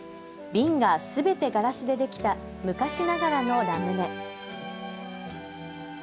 瓶がすべてガラスでできた昔ながらのラムネ。